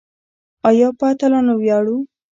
آیا په اتلانو ویاړو؟